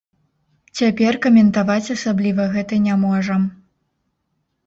Цяпер каментаваць асабліва гэта не можам.